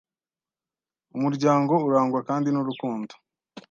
Umuryango urangwa kandi n’urukundo,